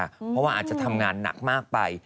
เพราะว่าอาจจะทำงานหนักมากไป